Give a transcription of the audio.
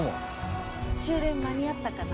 終電間に合ったかな？